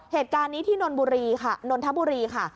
เหตุการณ์นี้ที่นนทบุรีค่ะ